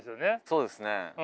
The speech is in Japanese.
そうですね。